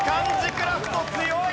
クラフト強い！